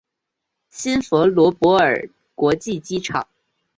辛菲罗波尔国际机场。